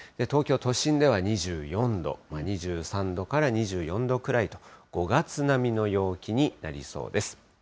東京都心では２４度、２３度から２４度くらいと、５月並みの陽気になりそうです。